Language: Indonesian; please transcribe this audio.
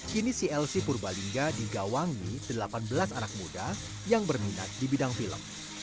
kini clc purbalingga digawangi delapan belas anak muda yang berminat di bidang film